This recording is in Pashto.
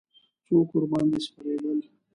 څوک ورباندې سپرېدل.